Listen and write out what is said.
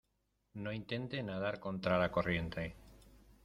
no intente nadar contra la corriente.